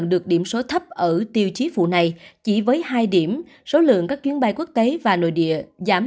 được điểm số thấp ở tiêu chí phụ này chỉ với hai điểm số lượng các chuyến bay quốc tế và nội địa giảm